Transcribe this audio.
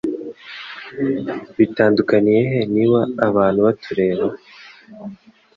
Bitandukaniye he niba abantu batureba?